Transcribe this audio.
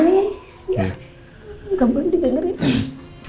enggak enggak boleh didengerin